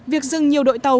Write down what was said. việc dừng nhiều đội tàu